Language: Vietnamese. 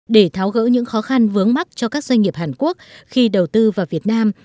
để tháo gỡ những khó khăn vướng mắt cho các doanh nghiệp hàn quốc khi đầu tư vào việt nam